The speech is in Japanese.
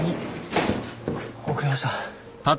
遅れました。